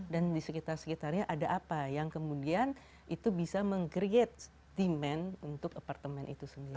dan di sekitar sekitarnya ada apa yang kemudian itu bisa meng create demand untuk apartemen itu sendiri